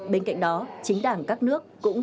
bên cạnh đó chính đảng các nước cũng